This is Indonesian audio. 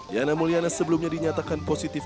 yana mulyana sebelumnya dinyatakan positif